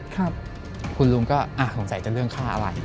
คุณลุงก็สงสัยจะเรื่องค่าอะไร